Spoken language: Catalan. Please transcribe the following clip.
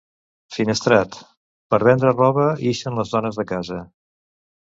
Finestrat: per vendre roba ixen les dones de casa.